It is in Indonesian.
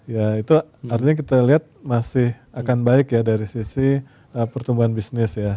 ya itu artinya kita lihat masih akan baik ya dari sisi pertumbuhan bisnis ya